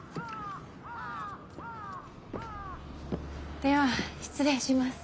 では失礼します。